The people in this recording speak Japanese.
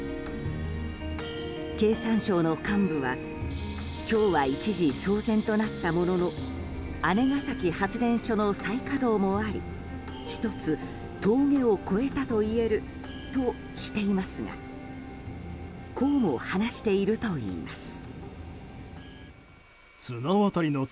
経産省の幹部は今日は一時騒然となったものの姉崎発電所の再稼働もあり１つ峠を越えたと言えるとしていますがこうも話しているといいます。